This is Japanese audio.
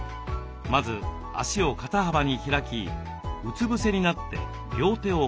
まず足を肩幅に開きうつ伏せになって両手を顔の横に置きます。